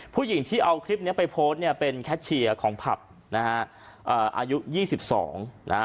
ผู้หญิงที่เอาคลิปเนี้ยไปโพสต์เนี่ยเป็นแคทเชียร์ของผับนะฮะเอ่ออายุยี่สิบสองนะฮะ